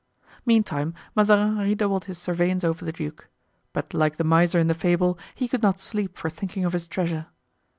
Meantime, Mazarin redoubled his surveillance over the duke. But like the miser in the fable, he could not sleep for thinking of his treasure.